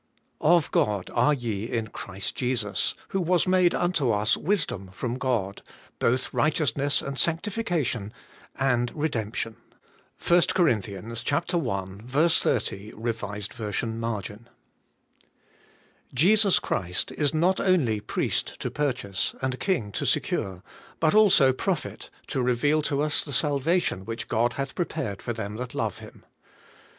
' Of God are ye in Christ Jesus, who was made unto us WISDOM from God, both righteousness and sanctification, and redemption. '— 1 COR. i. 30 (R. V. marg.). JESUS OHEIST is not only Priest to purchase, and King to secure, but also Prophet to reveal to us the salvation which God hath prepared for them that love Him.